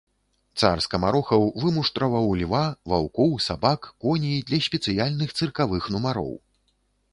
Цар скамарохаў вымуштраваў льва, ваўкоў, сабак, коней для спецыяльных цыркавых нумароў.